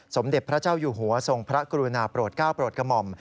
สมเด็จพระเจ้าอยู่หัวทรงพระกรุณาโปรดก้าวโปรดกระหม่อม